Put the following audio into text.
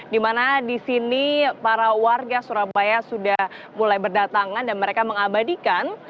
dimana disini para warga surabaya sudah mulai berdatangan dan mereka mengabadikan